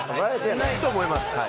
ないと思います。